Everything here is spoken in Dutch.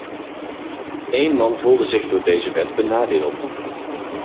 Een man voelde zich door deze wet benadeeld.